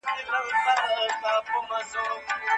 که ډیموکراسي دوام کړی وای نو هېواد به پرمختللی وای.